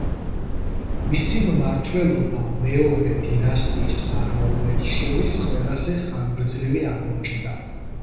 მისი მმართველობა მეორე დინასტიის ფარაონებს შორის ყველაზე ხანგრძლივი აღმოჩნდა.